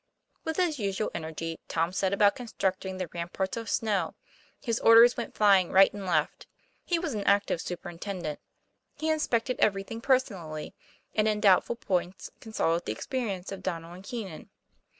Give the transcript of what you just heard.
With his usual energy, Tom set about constructing the ramparts of snow; his orders went flying right and left. He was an active superintendent; he inspected everything personally; and in doubtful points consulted the experience of Donnel and Keenan.